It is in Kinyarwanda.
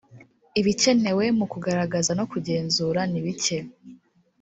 ibikenewe mu kugaragaza no kugenzura nibike.